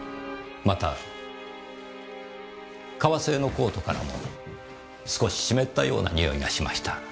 また革製のコートからも少し湿ったような匂いがしました。